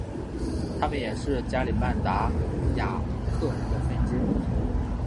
他们也是加里曼丹达雅克人的分支。